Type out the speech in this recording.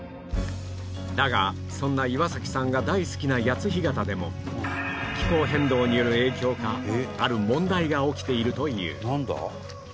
だがそんな岩崎さんが大好きな谷津干潟でも気候変動による影響かある問題が起きているというなんだ？